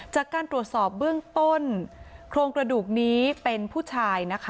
จากการตรวจสอบเบื้องต้นโครงกระดูกนี้เป็นผู้ชายนะคะ